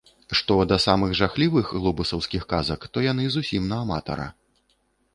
Што да саміх жахлівых глобусаўскіх казак, то яны зусім на аматара.